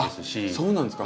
そうなんですか。